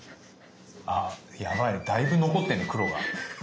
あヤバいね。だいぶ残ってんね黒が。